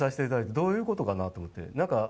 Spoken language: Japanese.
どういうことかなと思って。